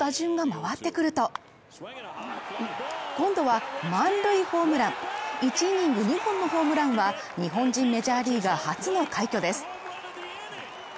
さらにこの回、もう一度打順が回ってくると、今度は満塁ホームラン１人で２本のホームランは日本人メジャーリーガー初の快挙です。